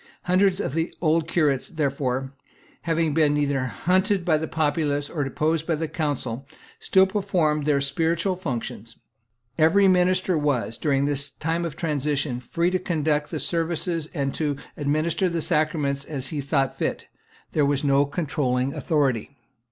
Hundreds of the old curates, therefore, having been neither hunted by the populace nor deposed by the Council, still performed their spiritual functions. Every minister was, during this time of transition, free to conduct the service and to administer the sacraments as he thought fit. There was no controlling authority.